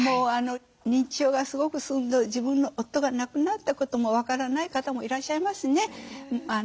認知症がすごく進んで自分の夫が亡くなったことも分からない方もいらっしゃいますね。